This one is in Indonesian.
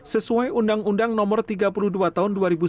sesuai undang undang nomor tiga puluh dua tahun dua ribu sembilan